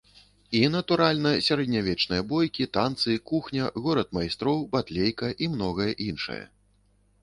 І, натуральна, сярэднявечныя бойкі, танцы, кухня, горад майстроў, батлейка і многае іншае.